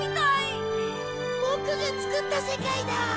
ボクが作った世界だ！